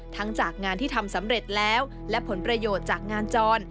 จากงานที่ทำสำเร็จแล้วและผลประโยชน์จากงานจร